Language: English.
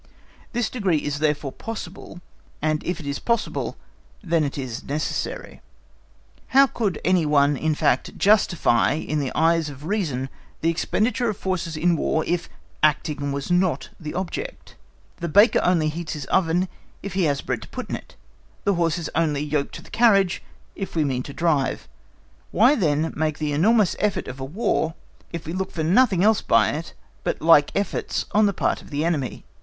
This degree is therefore possible, and if it is possible then it is necessary. How could any one in fact justify in the eyes of reason the expenditure of forces in War, if acting was not the object? The baker only heats his oven if he has bread to put into it; the horse is only yoked to the carriage if we mean to drive; why then make the enormous effort of a War if we look for nothing else by it but like efforts on the part of the enemy?